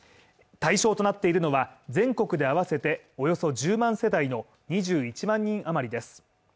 対象となっているのは全国で合わせておよそ１０万世代の２１万人余りです。